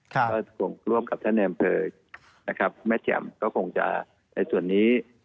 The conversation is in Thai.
ก็คงร่วมกับท่านแอมเผิกแมสแจมคงจะในส่วนนี้